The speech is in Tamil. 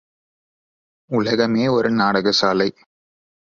உலகமே ஒரு நாடக சாலை.